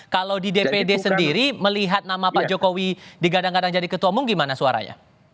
kalau di dpd sendiri melihat nama pak jokowi digadang gadang jadi ketua umum gimana suaranya